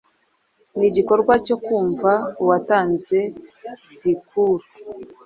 nigikorwa cyo kumva uwatanze diikuru